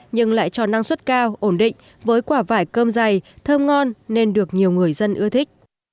nhưng lại cho năng suất cao ổn định với quả vải cơm dày thơm ngon nên được nhiều người dân ưa thích